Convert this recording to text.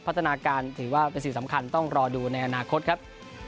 พัฒนาการถือว่าเป็นสิ่งสำคัญต้องรอดูในอนาคตครับ